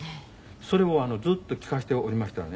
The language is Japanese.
それをずっと聞かせておりましたらね